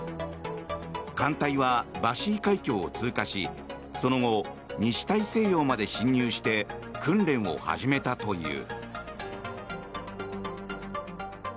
艦隊はバシー海峡を通過しその後、西大西洋まで進入して訓練を始めたという。